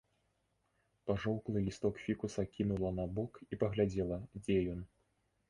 Пажоўклы лісток фікуса кінула набок і паглядзела, дзе ён.